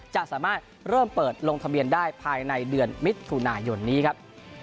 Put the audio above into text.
จะสามารถเริ่มเปิดลงทะเบียนได้ภายในเดือนมิถุนายนนี้ครับ